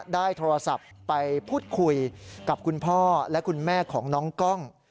ได้โทรศัพท์ไปพูดคุยกับคุณพ่อและคุณแม่ของน้องกล้อง